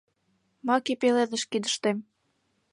Маке пеледыш кидыштем